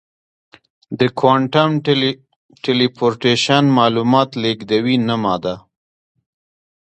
د کوانټم ټیلیپورټیشن معلومات لېږدوي نه ماده.